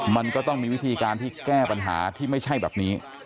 มันก็ต้องมีวิธีการที่แก้ปัญหาที่ไม่ใช่แบบนี้